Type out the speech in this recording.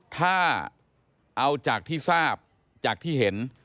ถ้าเอาจากที่ทราบจากที่เห็น